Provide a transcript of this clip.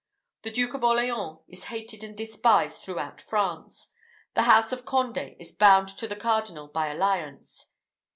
The Duke of Orleans is hated and despised throughout France the house of Condé is bound to the cardinal by alliance.